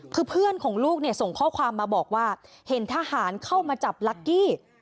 คือเพื่อนของลูกเนี่ยส่งข้อความมาบอกว่าเห็นทหารเข้ามาจับลักกี้